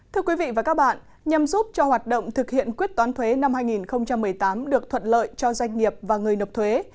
thưa quý vị và các bạn nhằm giúp cho hoạt động thực hiện quyết toán thuế năm hai nghìn một mươi tám được thuận lợi cho doanh nghiệp và người nộp thuế